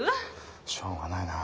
しょうがないなあ。